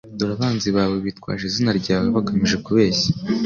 Dore abanzi bawe bitwaje izina ryawe bagamije kubeshya